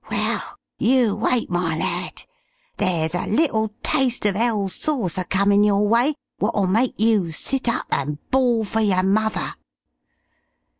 Well, you wait, my lad! There's a little taste of 'ell sauce a comin' your way wot'll make you sit up and bawl for yer muvver.'